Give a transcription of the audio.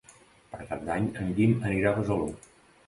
Per Cap d'Any en Guim anirà a Besalú.